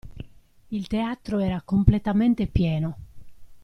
Il teatro era completamente pieno!